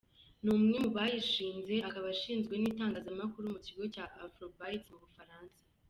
Ni umwe mu bashinze akaba ashinzwe n’itangazamakuru mu kigo Afrobytes, mu Bufaransa.